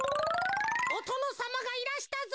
「おとのさまがいらしたぞ」。